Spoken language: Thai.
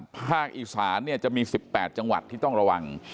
ภาคอีสานจะมี๑๘จังหวัดที่ต้องระวัง